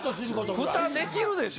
蓋できるでしょ。